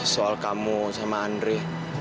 soal kamu sama andri